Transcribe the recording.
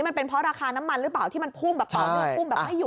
มันเป็นเพราะราคาน้ำมันหรือเปล่าที่มันพุ่มแบบปล่อยไม่หยุด